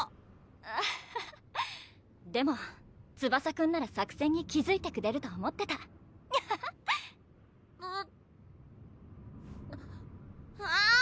アハハでもツバサくんなら作戦に気づいてくれると思ってたニャハハあー